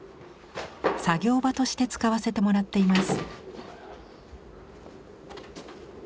作業場として使わせてもらっています。